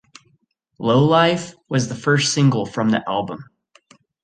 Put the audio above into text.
"Low Life" was the first single from the album.